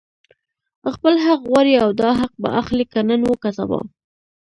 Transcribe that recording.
خپل حق غواړي او دا حق به اخلي، که نن وو که سبا